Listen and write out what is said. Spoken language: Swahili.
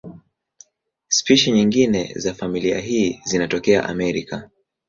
Spishi nyingine za familia hii zinatokea Amerika.